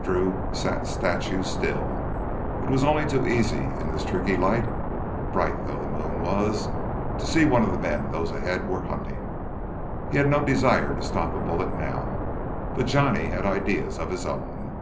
Drew sat statue still. It was only too easy in this tricky light, bright though the moon was, to seem one of the men those ahead were hunting. He had no desire to stop a bullet now. But Johnny had ideas of his own.